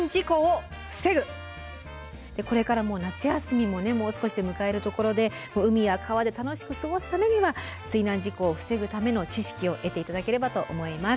これから夏休みももう少しで迎えるところで海や川で楽しく過ごすためには水難事故を防ぐための知識を得て頂ければと思います。